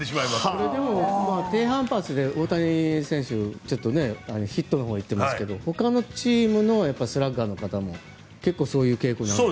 それでも低反発で大谷選手はヒットのほうに行っていますがほかのチームのスラッガーの方も結構そういう傾向にある？